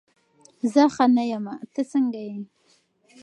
زه ښه نه یمه، ته څنګه یې؟